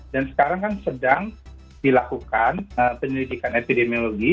dan sekarang kan sedang dilakukan penyelidikan epidemiologi